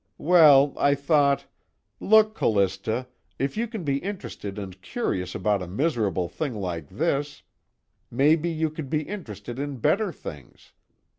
"Well, I thought: Look, Callista, if you can be interested and curious about a miserable thing like this, maybe you could be interested in better things.